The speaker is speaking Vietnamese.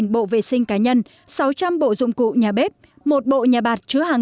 một mươi bộ vệ sinh cá nhân sáu trăm linh bộ dụng cụ nhà bếp một bộ nhà bạc chứa hàng